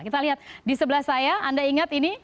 kita lihat di sebelah saya anda ingat ini